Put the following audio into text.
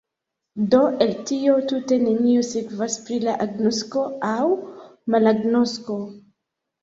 Do el tio tute nenio sekvas pri la agnosko aŭ malagnosko.